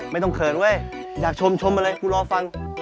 ไม่ต้องเขินเว้ยอยากชมอะไรกูล้อฟัง